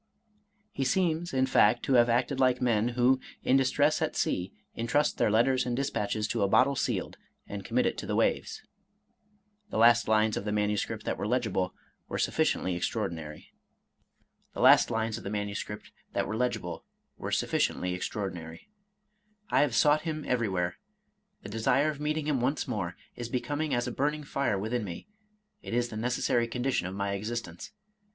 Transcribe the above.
He seems, in fact, to have acted like men, who, in distress at sea, intrust their letters and dispatches to a bottle sealed, and commit it to the waves. The last lines of the manuscript that were legible, were sufficiently extraordinary ....••••• 200 Charles Robert Maturin " I have sought him everywhere. — ^The desire of meet ing him once more is become as a burning fire within me, — ^it is the necessary condition of my existence.